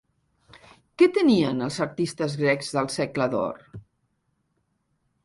Què tenien els artistes grecs del segle d'or?